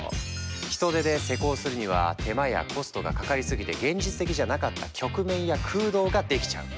人手で施工するには手間やコストがかかりすぎて現実的じゃなかった曲面や空洞ができちゃう。